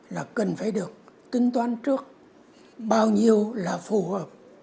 là cần phải được tinh toán trước bao nhiêu là phù hợp